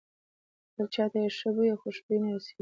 بل چاته یې ښه بوی او خوشبويي نه رسېږي.